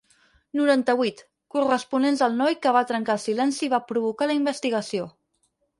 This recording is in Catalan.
Noranta-vuit, corresponents al noi que va trencar el silenci i va provocar la investigació.